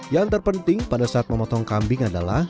yang terpenting pada saat memotong kambing adalah